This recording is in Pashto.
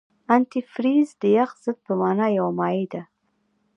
انتي فریز د یخ ضد په نامه یو مایع ده.